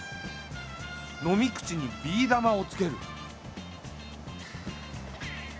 飲み口にビー玉をつける。